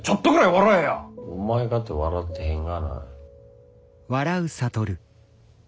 お前かて笑ってへんがな。